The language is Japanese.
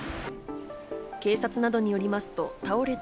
警察などによりますと、倒れた